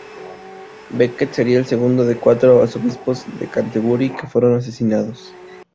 Becket sería el segundo de cuatro arzobispos de Canterbury que fueron asesinados.